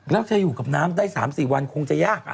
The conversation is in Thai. แล้วเธออยู่กับน้ำได้๓๔วันคงจะยาก